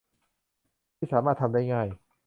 ที่สามารถทำได้ง่าย